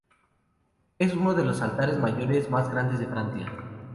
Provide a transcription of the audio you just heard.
Es uno de los altares mayores más grandes de Francia.